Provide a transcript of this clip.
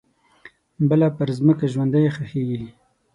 بله پرمځکه ژوندۍ ښخیږې